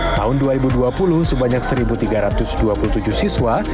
tahun dua ribu dua puluh sebanyak satu tiga ratus dua puluh tujuh siswa